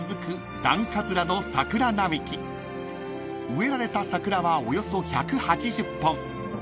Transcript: ［植えられた桜はおよそ１８０本］